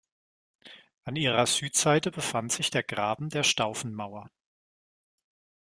An ihrer Südseite befand sich der Graben der Staufenmauer.